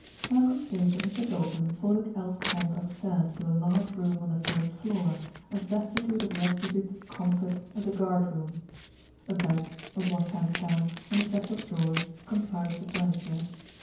Malcolm Sage and Mr. Doulton followed Alf Pond upstairs to a large room on the first floor, as destitute of the attributes of comfort as a guardroom. A bed, a wash hand stand, and a chest of drawers comprised the furniture.